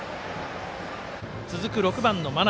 続く６番の真鍋。